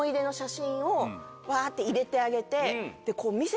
わって入れてあげて。